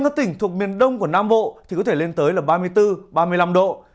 các tỉnh thuộc miền đông của nam bộ thì có thể lên tới là ba mươi bốn ba mươi năm độ